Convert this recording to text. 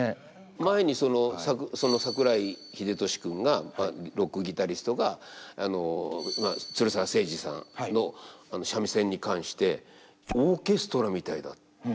前にその桜井秀俊君がロックギタリストが鶴澤清治さんの三味線に関してオーケストラみたいだって言ったんですよ。